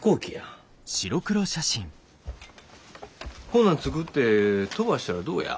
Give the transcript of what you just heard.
こんなん作って飛ばしたらどうや？